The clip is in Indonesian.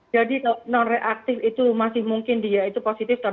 jadi non reaktif itu masih mungkin dia itu positif